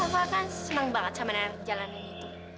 apa kan senang banget sama narik jalanin itu